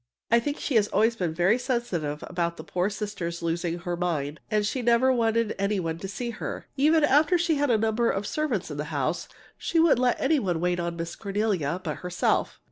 I think she has always been very sensitive about that poor sister's losing her mind, and she never wanted any one to see her. Even after she had a number of servants in the house, she wouldn't let any one wait on Miss Cornelia but herself.